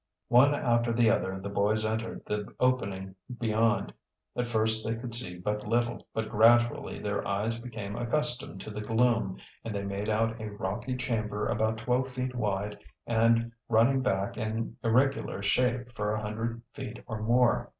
One after the other the boys entered the opening beyond. At first they could see but little, but gradually their eyes became accustomed to the gloom and they made out a rocky chamber about twelve feet wide and running back in irregular shape for a hundred feet or more.